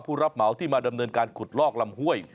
รับเหมาที่มาดำเนินการขุดลอกลำห้วย